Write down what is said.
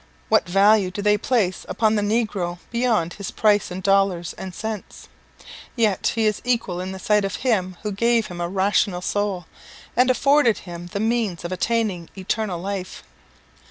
What value do they place upon the negro beyond his price in dollars and cents? Yet is he equal in the sight of Him who gave him a rational soul, and afforded him the means of attaining eternal life.